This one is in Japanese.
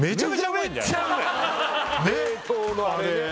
冷凍のあれね